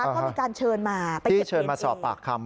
ก็มีการเชิญมาไปเก็บเองที่เชิญมาสอบปากคำ